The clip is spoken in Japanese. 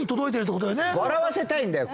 笑わせたいんだよ。